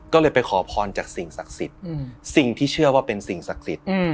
ก็เลยไปขอพรจากสิ่งศักดิ์สิทธิ์สิ่งที่เชื่อว่าเป็นสิ่งศักดิ์สิทธิ์